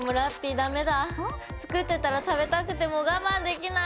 作ってたら食べたくてもう我慢できない。